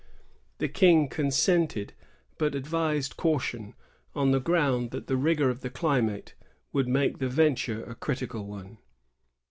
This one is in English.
The King consented, but advised caution, on the ground that the rigor of the climate would make the venture a critical one.